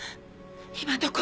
今どこ？